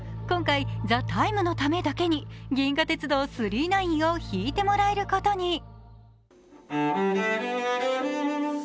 今回「ＴＨＥＴＩＭＥ，」のためだけに「銀河鉄道９９９」を弾いてもらえることに。